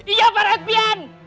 iya pak red pian